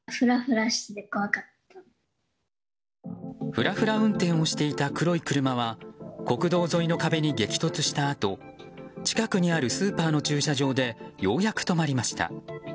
ふらふら運転をしていた黒い車は国道沿いの壁に激突したあと近くにあるスーパーの駐車場でようやく止まりました。